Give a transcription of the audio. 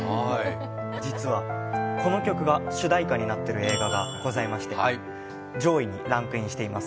実はこの曲が主題歌になっている映画がございまして、上位にランクインしています。